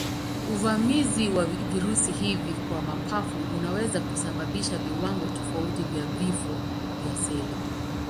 Uvamizi wa virusi hivi kwa mapafu unaweza kusababisha viwango tofauti vya vifo vya seli.